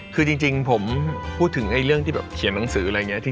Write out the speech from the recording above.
คือจริงผมพูดถึงเรื่องที่แบบเขียนหนังสืออะไรอย่างนี้